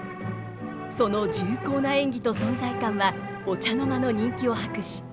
その重厚な演技と存在感はお茶の間の人気を博し